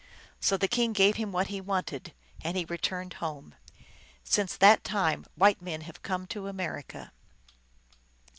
So the king gave him what he wanted, and he returned home. Since that time white men have come to America.